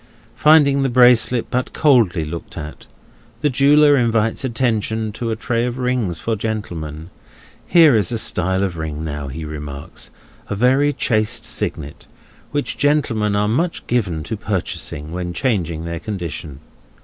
Finding the bracelet but coldly looked at, the jeweller invites attention to a tray of rings for gentlemen; here is a style of ring, now, he remarks—a very chaste signet—which gentlemen are much given to purchasing, when changing their condition.